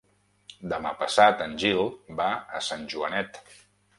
Demà passat en Gil va a Sant Joanet.